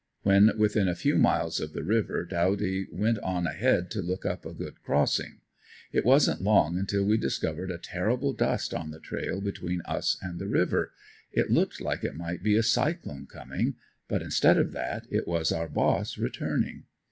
When within a few miles of the river, Dawdy went on ahead to look up a good crossing; it wasn't long until we discovered a terrible dust on the trail between us and the river; it looked like it might be a cyclone coming, but instead of that it was our boss returning.